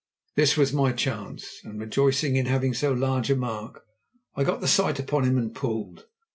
This was my chance, and, rejoicing in having so large a mark, I got the sight upon him and pulled.